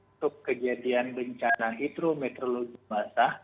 untuk kejadian bencana hidrometeorologi basah